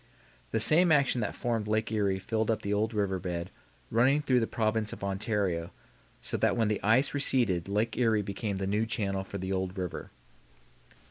The same action that formed Lake Erie filled up the old river bed running through the province of Ontario, so that when the ice receded Lake Erie became the new channel for the old river.